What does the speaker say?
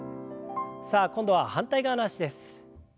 さあ今度は反対側の脚です。